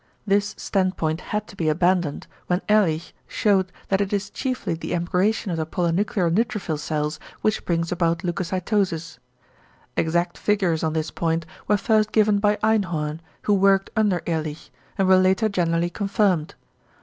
This standpoint had to be abandoned, when Ehrlich shewed that it is chiefly the emigration of the polynuclear neutrophil cells, which brings about leucocytosis. Exact figures on this point were first given by Einhorn, who worked under Ehrlich, and were later generally confirmed.